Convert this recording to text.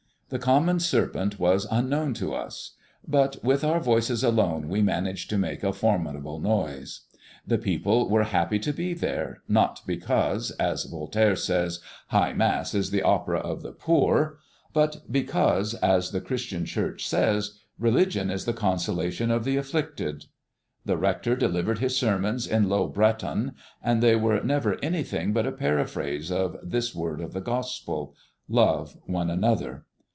The common serpent was unknown to us; but with our voices alone we managed to make a formidable noise. The people were happy to be there, not because, as Voltaire says, "High Mass is the opera of the poor," but because, as the Christian Church says, religion is the consolation of the afflicted. The rector delivered his sermons in Low Breton, and they were never anything but a paraphrase of this word of the Gospel, Love one another.